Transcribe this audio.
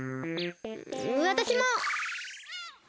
わたしも！